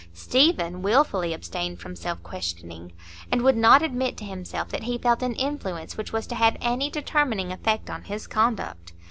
Stephen wilfully abstained from self questioning, and would not admit to himself that he felt an influence which was to have any determining effect on his conduct.